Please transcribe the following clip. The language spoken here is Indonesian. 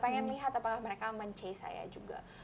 pengen lihat apakah mereka mencari saya juga